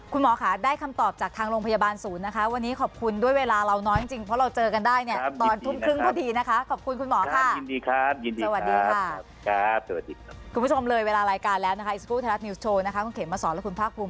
คุณหมอค่ะได้คำตอบจากทางโรงพยาบาลศูนย์นะคะวันนี้ขอบคุณด้วยเวลาเราน้อยจริงเพราะเราเจอกันได้ตอนทุ่มครึ่งพอดีขอบคุณคุณหมอค่ะ